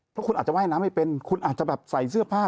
เพราะคุณอาจจะว่ายน้ำไม่เป็นคุณอาจจะแบบใส่เสื้อผ้า